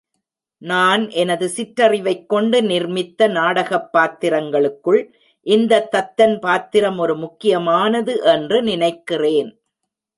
நான் எனது சிற்றறிவைக் கொண்டு நிர்மித்த நாடகப் பாத்திரங்களுக்குள் இந்தத் தத்தன் பாத்திரம் ஒரு முக்கியமானது என்று நினைக்கிறேன்.